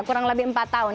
kurang lebih empat tahun